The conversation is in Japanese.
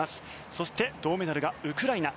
そして、銅メダルがウクライナ。